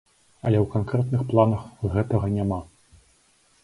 Але ў канкрэтных планах гэтага няма.